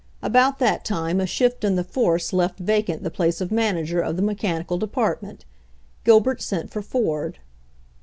About that time a shift in the forfce left vacant the place of manager of the mechanical depart ment. Gilbert sent for Ford.